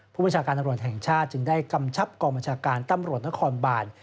ผู้บัญชาการตำรวจแห่งชาติจึงได้กำชับกองบัญชาการตำรวจนครบาน